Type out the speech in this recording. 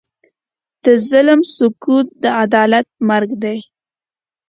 د ظلم سکوت، د عدالت مرګ دی.